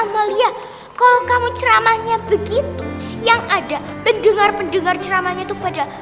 kalau kamu ceramahnya begitu yang ada pendengar pendengar ceramahnya tuh pada